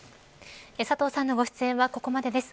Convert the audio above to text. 佐藤さんのご出演はここまでです。